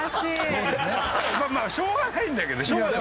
まあしょうがないんだけどね。